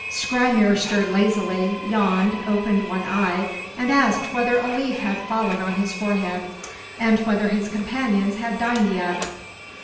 Skrymir stirred lazily, yawned, opened one eye, and asked whether a leaf had fallen on his forehead, and whether his companions had dined yet.